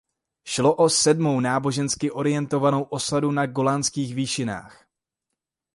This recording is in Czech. Šlo o sedmou nábožensky orientovanou osadu na Golanských výšinách.